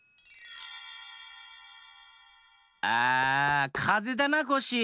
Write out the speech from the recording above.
ああかぜだなコッシー。